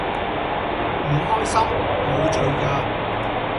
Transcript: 唔開心無罪㗎